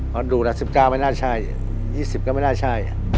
พอดูละ๑๙มันน่าใช่๒๐ก็ไม่น่าใช่